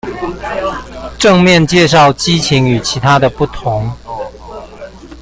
正面介紹激情與其他的不同